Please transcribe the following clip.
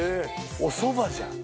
おそばじゃん